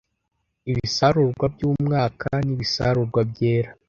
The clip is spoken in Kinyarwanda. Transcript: Ibisarurwa byumwaka nibisarurwa byera